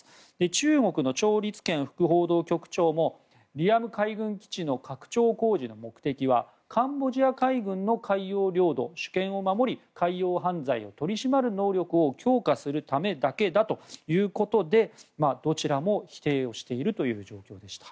中国のチョウ・リツケン副報道局長もリアム海軍基地の拡張工事の目的はカンボジア海軍の海洋領土主権を守り海洋犯罪を取り締まる能力を強化するためだけだということでどちらも否定をしているという状況でした。